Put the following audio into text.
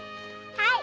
はい。